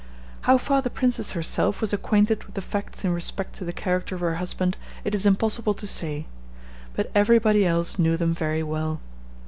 How far the princess herself was acquainted with the facts in respect to the character of her husband it is impossible to say, but every body else knew them very well.